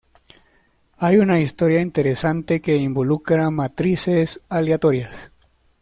Hay una historia interesante que involucra matrices aleatorias.